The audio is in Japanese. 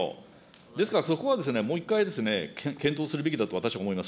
ですから、ここはもう一回、検討するべきだと私、思います。